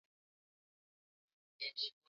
yote kwa aina hiyo na muhtasari mzuri